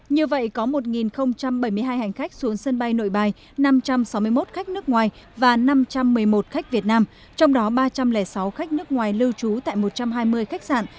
như vậy có một bảy mươi hai hành khách xuống sân bay nội bài năm trăm sáu mươi một khách nước ngoài và năm trăm một mươi một khách việt nam trong đó ba trăm linh sáu khách nước ngoài lưu trú tại một trăm hai mươi khách sạn